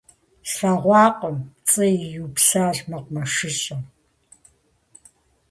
- Слъэгъуакъым, - пцӏы иупсащ мэкъумэшыщӏэм.